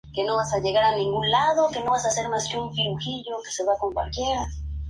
En su interior guarda una magnífica colección de pintura, escultura y orfebrería.